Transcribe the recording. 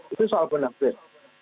itu soal benar pak